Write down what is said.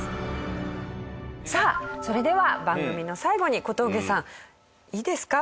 さあそれでは番組の最後に小峠さんいいですか？